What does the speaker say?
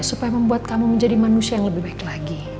supaya membuat kamu menjadi manusia yang lebih baik lagi